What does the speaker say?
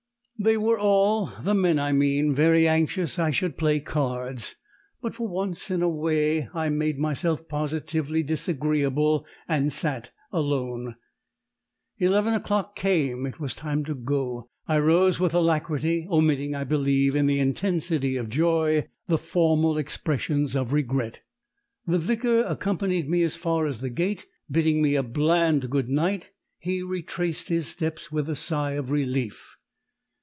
They were all (the men, I mean) very anxious I should play cards, but for once in a way I made myself positively disagreeable and sat alone! Eleven o'clock came. It was time to go! I rose with alacrity, omitting, I believe, in the intensity of joy, the formal expressions of regret. The vicar accompanied me as far as the gates; bidding me a bland good night, he retraced his steps with a sigh of relief.